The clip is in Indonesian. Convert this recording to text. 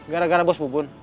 gara gara bos bubun